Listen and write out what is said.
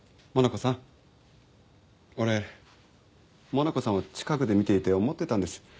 モナコさん俺モナコさんを近くで見ていて思ってたんです。